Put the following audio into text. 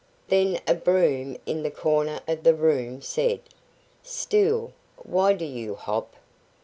Then a broom in the corner of the room said: "Stool, why do you hop?"